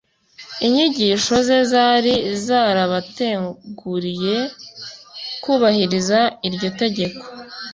Inyigisho ze zari zarabateguriye kubahiriza iryo tegeko.